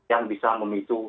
yang bisa memicu